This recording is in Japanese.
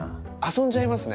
遊んじゃいますね。